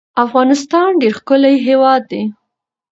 افغانستان ډیر ښکلی هیواد ده